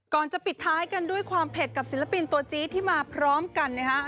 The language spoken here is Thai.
ก่อนจะปิดท้ายกันด้วยความเผ็ดกับศิลปินตัวจี๊ดที่มาพร้อมกันนะฮะ